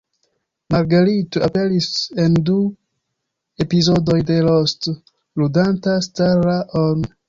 Marguerite aperis en du epizodoj de "Lost", ludanta Starla-on.